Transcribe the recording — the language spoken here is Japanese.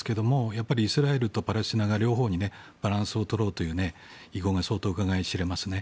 やっぱりイスラエルとパレスチナの両方にバランスを取ろうという意向がうかがい知れますね。